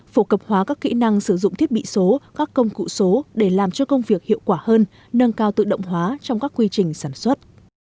phổ cập hóa các kỹ năng sử dụng thiết bị số các công cụ số để làm cho công việc hiệu quả hơn nâng cao tự động hóa trong các quy trình sản xuất